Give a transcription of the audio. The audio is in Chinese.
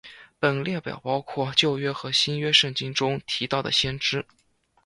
本列表包括旧约和新约圣经中提到的先知。